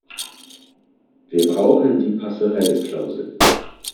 Wir brauchen die Passerelle-Klausel!